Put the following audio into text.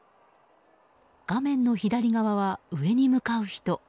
画面の左側は、上に向かう人。